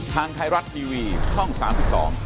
สวัสดีครับ